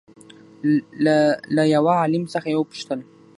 له له يوه عالم څخه يې وپوښتل